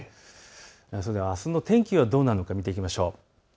それではあすの天気はどうなるのか見ていきましょう。